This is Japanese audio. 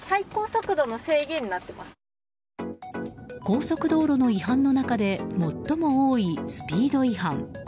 高速道路の違反の中で最も多いスピード違反。